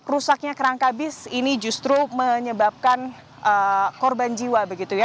rusaknya kerangka bis ini justru menyebabkan korban jiwa begitu ya